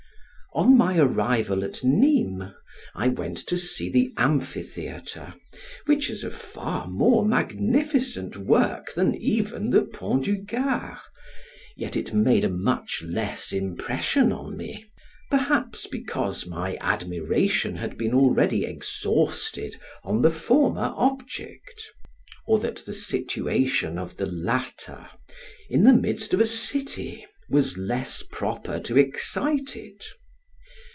On my arrival at Nismes, I went to see the amphitheatre, which is a far more magnificent work than even the Pont du Gard, yet it made a much less impression on me, perhaps, because my admiration had been already exhausted on the former object; or that the situation of the latter, in the midst of a city, was less proper to excite it.